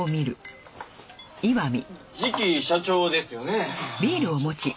次期社長ですよね？